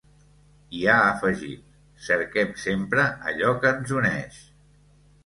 I ha afegit: Cerquem sempre allò que ens uneix.